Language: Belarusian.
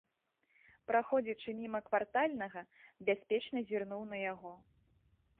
Праходзячы міма квартальнага, бяспечна зірнуў на яго.